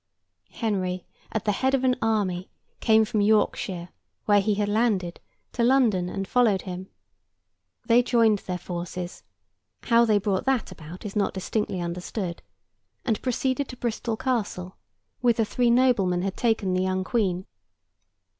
Henry, at the head of an army, came from Yorkshire (where he had landed) to London and followed him. They joined their forces—how they brought that about, is not distinctly understood—and proceeded to Bristol Castle, whither three noblemen had taken the young Queen.